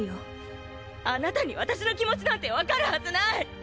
あなたに私の気持ちなんて分かるはずない！